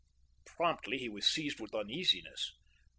Promptly he was seized with uneasiness.